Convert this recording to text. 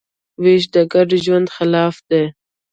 وېش د ګډ ژوند خلاف دی.